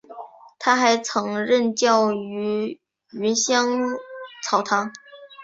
他还曾任教于芸香草堂。